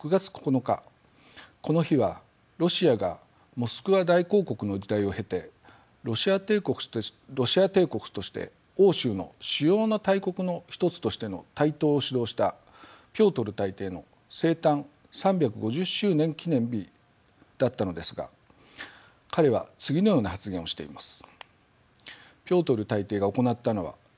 この日はロシアがモスクワ大公国の時代を経てロシア帝国として欧州の主要な大国の一つとしての台頭を主導したピョートル大帝の生誕３５０周年記念日だったのですが彼は次のような発言をしています。